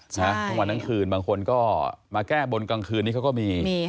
ทั้งวันทั้งคืนบางคนก็มาแก้บนกลางคืนนี้เขาก็มี